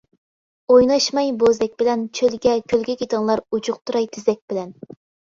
ئويناشماي بوزەك بىلەن، چۆلگە، كۆلگە كېتىڭلار، ئۇجۇقتۇراي تېزەك بىلەن.